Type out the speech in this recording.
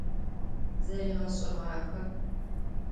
Зэригъэшӏэгъахэ.